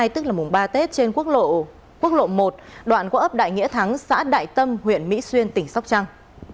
tức là mùng ba tết trên quốc lộ một đoạn của ấp đại nghĩa thắng xã đại tâm huyện mỹ xuyên tỉnh sóc trăng